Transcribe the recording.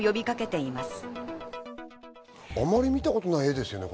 あまり見たことない画ですね。